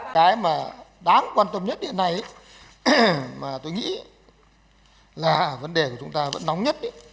cái mà đáng quan tâm nhất hiện nay mà tôi nghĩ là vấn đề của chúng ta vẫn nóng nhất